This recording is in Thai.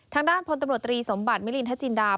ทางด้านพลตำรวจตรีสมบัติมิลินทจินดา